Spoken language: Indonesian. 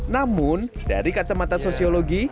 namun dari kacamata sosiologi